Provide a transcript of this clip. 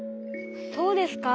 そうですか？